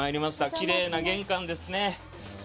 きれいな玄関ですね。